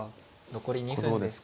残り２分です。